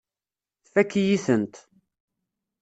Tfakk-iyi-tent.